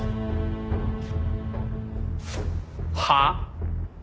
はあ？